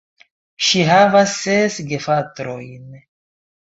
Ŝi havas ses gefratojn.